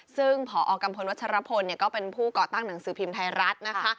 ซึ่งพอกัมพลวัชรพลก็เป็นผู้ก่อตั้งหนังสือพิมพ์ไทยรัฐนะคะ